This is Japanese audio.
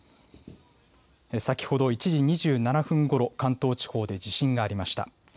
先ほど１時２７分ごろ関東地方で地震がありました。